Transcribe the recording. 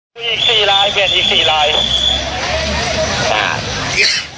สวัสดีครับสวัสดีครับ